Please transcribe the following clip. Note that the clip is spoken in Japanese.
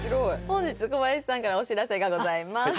本日小林さんからお知らせがございます